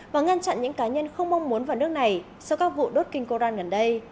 và ngăn chặn những cá nhân không mong muốn vào nước này sau các vụ đốt kinh coran gần đây